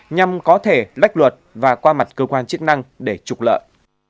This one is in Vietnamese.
nhằm có thể lách luật và qua mặt cơ quan chức năng để trục lợi